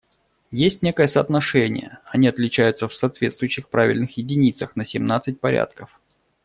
Есть некое соотношение, они отличаются в соответствующих правильных единицах на семнадцать порядков.